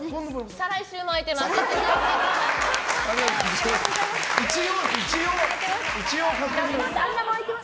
再来週も空いてます！